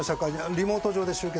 リモート上で集結。